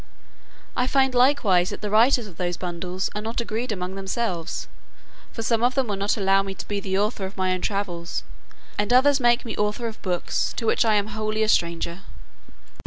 I find likewise that the writers of those bundles are not agreed among themselves; for some of them will not allow me to be the author of my own travels; and others make me author of books to which I am wholly a stranger.